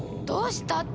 「どうした？」